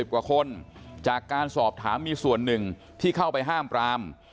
กว่าคนจากการสอบถามมีส่วนหนึ่งที่เข้าไปห้ามปราม